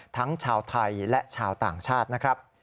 ทั้งชาวไทยและชาวต่างชาตินะครับ